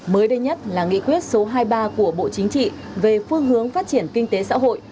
mới đây nhất là nghị quyết số hai mươi ba của bộ chính trị về phương hướng phát triển kinh tế xã hội